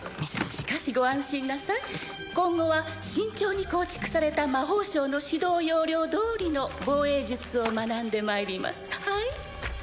しかしご安心なさい今後は慎重に構築された魔法省の指導要領どおりの防衛術を学んでまいりますはい？